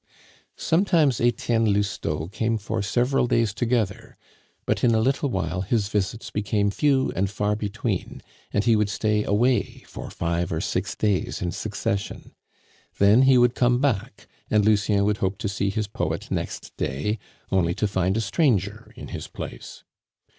Sometimes Etienne Lousteau came for several days together; but in a little while his visits became few and far between, and he would stay away for five or six days in succession. Then he would come back, and Lucien would hope to see his poet next day, only to find a stranger in his place.